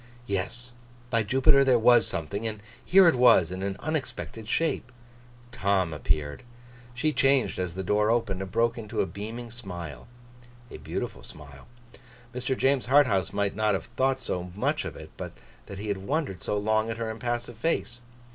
Yes! By Jupiter, there was something, and here it was, in an unexpected shape. Tom appeared. She changed as the door opened, and broke into a beaming smile. A beautiful smile. Mr. James Harthouse might not have thought so much of it, but that he had wondered so long at her impassive face.